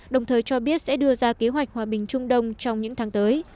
đồng thời cho biết sẽ đưa ra kế hoạch hòa bình trung đông trong những tháng tới